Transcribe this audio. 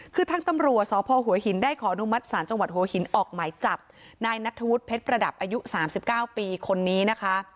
คือทางตำรวจสพหัวหินได้ขออนุมัติศาลจังหวัดหัวหินออกหมายจับนายนัทธวุฒิเพชรประดับอายุ๓๙ปีคนนี้นะคะ